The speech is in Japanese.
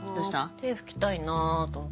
手拭きたいなと思って。